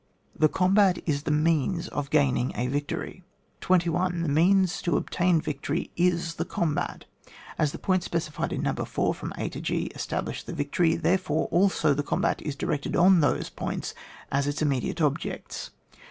The combat is the means of gaining a victory. 21. The means to obtain victory is the combat. As the points specified in No. 4 from a to ^ establish the victory, there fore also the combat is directed on those points as its immediate objects.